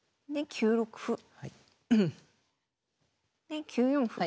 で９四歩。